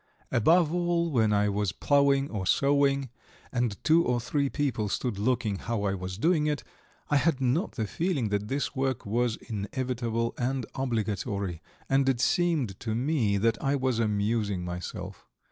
Above all, when I was ploughing or sowing, and two or three people stood looking how I was doing it, I had not the feeling that this work was inevitable and obligatory, and it seemed to me that I was amusing myself.